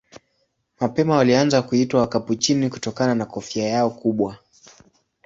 Mapema walianza kuitwa Wakapuchini kutokana na kofia yao kubwa.